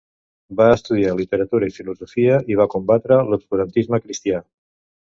Va estudiar literatura i filosofia i va combatre l'obscurantisme cristià.